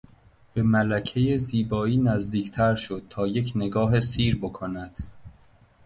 به ملکهی زیبایی نزدیکتر شد تا یک نگاه سیر بکند.